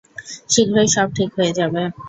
শীঘ্রই সব ঠিক হয়ে যাবে।